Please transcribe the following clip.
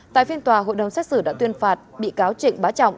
tại phiên tòa hội đồng xét xử đã tuyên phạt bị cáo trịnh bá trọng